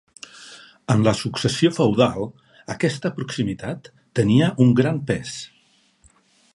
En la successió feudal, aquesta proximitat tenia un gran pes.